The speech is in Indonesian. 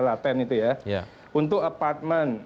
laten itu ya untuk apartment